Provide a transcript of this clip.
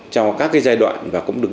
cho các cái giai đoạn và cũng được